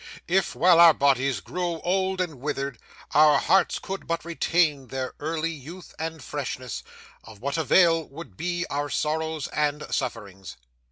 If, while our bodies grow old and withered, our hearts could but retain their early youth and freshness, of what avail would be our sorrows and sufferings!